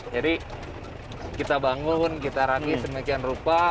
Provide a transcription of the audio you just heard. jadi kita bangun kita ragis demikian rupa